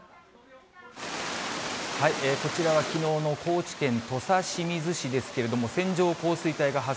こちらはきのうの高知県土佐清水市ですけれども、線状降水帯が発